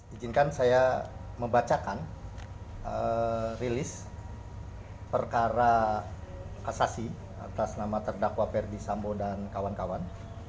izinkan saya membacakan rilis perkara kasasi atas nama terdakwa verdi sambo dan kawan kawan